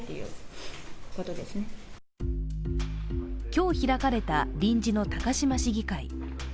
今日開かれた臨時の高島市議会。